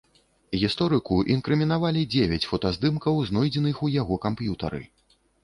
Гісторыку інкрымінавалі дзевяць фотаздымкаў, знойдзеных у яго камп'ютары.